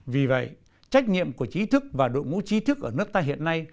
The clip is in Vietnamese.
vì vậy trách nhiệm của chí thức và đội ngũ chí thức ở nước ta hiện nay